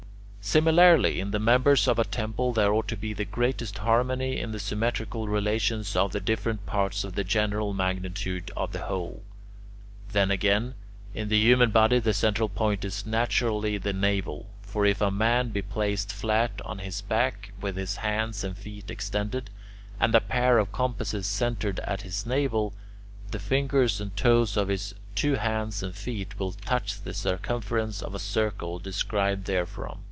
Similarly, in the members of a temple there ought to be the greatest harmony in the symmetrical relations of the different parts to the general magnitude of the whole. Then again, in the human body the central point is naturally the navel. For if a man be placed flat on his back, with his hands and feet extended, and a pair of compasses centred at his navel, the fingers and toes of his two hands and feet will touch the circumference of a circle described therefrom.